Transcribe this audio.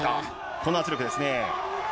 この圧力ですね。